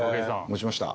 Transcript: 持ちました。